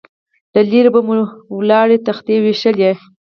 له لرې به مو ولاړې تختې ويشتلې.